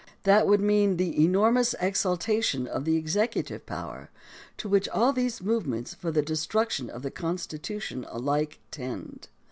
That would mean the enormous exaltation of the ex ecutive power, to which all these movements for the destruction of the Constitution ahke tend.